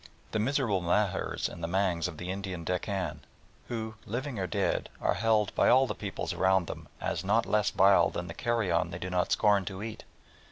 The miserable Mahars and Mangs of the Indian Deccan, who, living or dead, are held by all the peoples around them as not less vile than the carrion they do not scorn to eat.